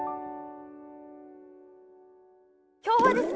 今日はですね